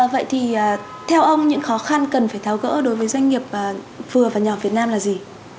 vậy thì theo ông những khó khăn cần phải tháo gỡ đối với doanh nghiệp vừa và nhỏ việt nam là gì